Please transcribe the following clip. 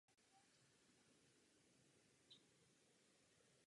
Ve stejném roce se stal poslancem za radikály.